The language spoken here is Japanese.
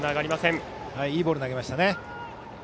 いいボール投げましたね。